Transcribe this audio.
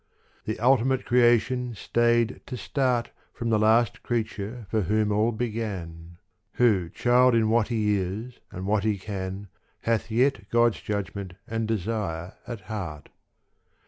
The ultimate creation stayed to start From the last creature for whom all began : Who child in what he is and what he can Hath yet God's judgment and desire at heart.